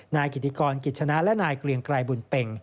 นายกิติกรกิจชนะและนายเกลียงไกรบุญเป็ง